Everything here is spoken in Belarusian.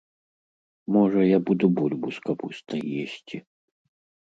Можа, я буду бульбу з капустай есці!